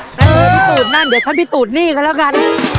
นั่นแบบนี้มาพิสูจน์นั่นเดี๋ยวชั้นพิสูจน์นี่ก็แล้วกัน